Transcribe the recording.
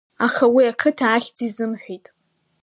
Аха уи ақыҭа ахьӡ изымҳәеит.